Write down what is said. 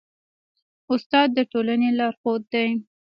استاد د ټولني لارښود دی.